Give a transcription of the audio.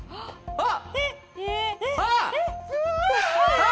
あっ！